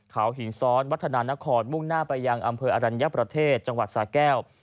เขาหินซ้อนวัฒนานครมุ่งหน้าไปยังอำเภออรัญญประเทศจังหวัดสาแก้ว